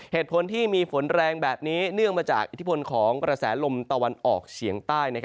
เหตุผลที่มีฝนแรงแบบนี้เนื่องมาจากอิทธิพลของกระแสลมตะวันออกเฉียงใต้